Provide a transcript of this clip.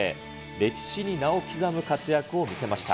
歴史に名を刻む活躍を見せました。